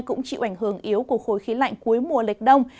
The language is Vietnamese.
cũng chịu ảnh hưởng yếu của khối khí lạnh cuối mùa lệch đông